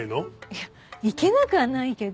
いやいけなくはないけど。